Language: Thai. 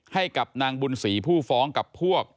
ให้กับนางบุญศรีผู้ฟ้องกับพวก